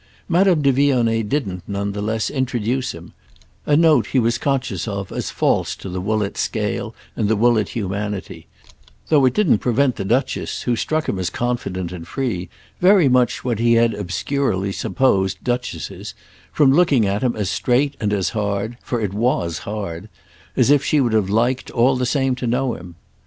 Madame de Vionnet didn't, none the less, introduce him—a note he was conscious of as false to the Woollett scale and the Woollett humanity; though it didn't prevent the Duchess, who struck him as confident and free, very much what he had obscurely supposed duchesses, from looking at him as straight and as hard—for it was hard—as if she would have liked, all the same, to know him.